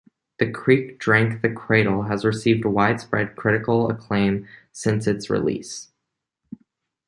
"The Creek Drank the Cradle" has received widespread critical acclaim since its release.